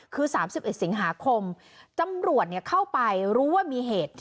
คือสามสิบเอ็ดสิงหาคมจำรวจเนี่ยเข้าไปรู้ว่ามีเหตุ